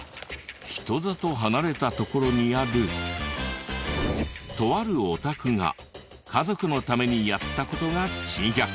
人里離れた所にあるとあるお宅が家族のためにやった事が珍百景。